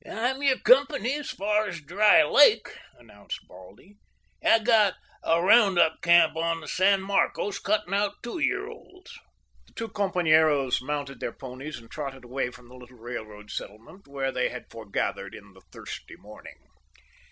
"I'm your company as far as Dry Lake," announced Baldy. "I've got a round up camp on the San Marcos cuttin' out two year olds." The two compañeros mounted their ponies and trotted away from the little railroad settlement, where they had foregathered in the thirsty morning.